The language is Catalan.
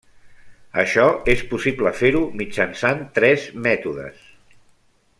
Això és possible fer-ho mitjançant tres mètodes.